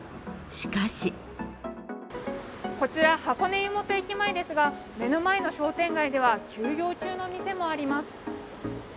しかしこちら箱根湯本駅前ですが、目の前の商店街では休業中の店もあります。